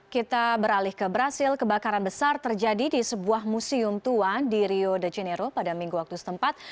kita beralih ke brazil kebakaran besar terjadi di sebuah museum tua di rio de janeiro pada minggu waktu setempat